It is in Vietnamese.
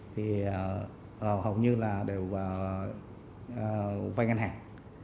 thì hầu như là đều vay ngân hàng